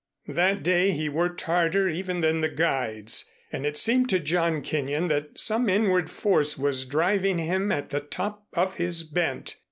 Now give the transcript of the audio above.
That day he worked harder even than the guides and it seemed to John Kenyon that some inward force was driving him at the top of his bent.